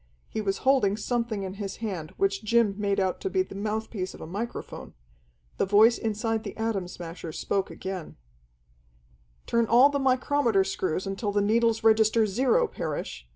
He was holding something in his hand which Jim made out to be the mouthpiece of a microphone. The voice inside the Atom Smasher spoke again: "Turn all the micrometer screws until the needles register zero, Parrish.